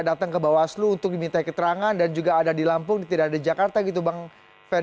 dan tidak mengganggu hubungan dengan semua pihak